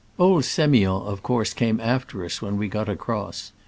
Old Stoiond of course came after us when we got across.